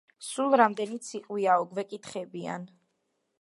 სულ რამდენი ციყვიაო — გვეკითხებიან.